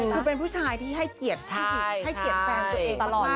คือเป็นผู้ชายที่ให้เกียรติให้เกียรติแฟนตัวเองตลอด